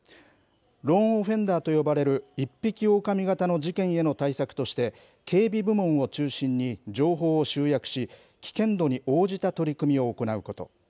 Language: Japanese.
ローン・オフェンダーと呼ばれる一匹狼型の事件への対策として、警備部門を中心に情報を集約し、危険度に応じた取り組みを行うこと。